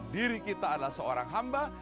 diri kita adalah seorang hamba